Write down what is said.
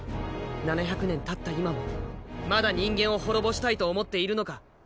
７００年たった今もまだ人間を滅ぼしたいと思っているのか？